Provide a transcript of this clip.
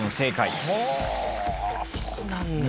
そうなんだ。